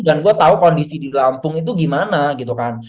dan gue tau kondisi di lampung itu gimana gitu kan